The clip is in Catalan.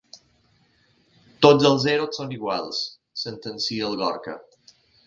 Tots els zeros són iguals —sentencia el Gorka—.